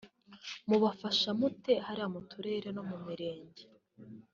Mubafasha mute hariya mu turere no mu mirenge